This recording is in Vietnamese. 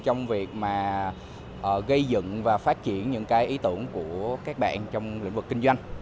trong việc gây dựng và phát triển những ý tưởng của các bạn trong lĩnh vực kinh doanh